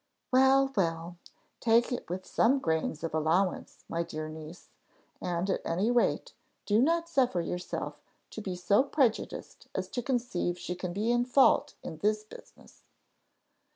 "Well, well, take it with some grains of allowance, my dear niece; and, at any rate, do not suffer yourself to be so prejudiced as to conceive she can be in fault in this business."